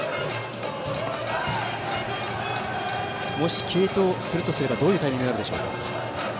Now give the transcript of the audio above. もし継投するとすればどういうタイミングになるでしょうか。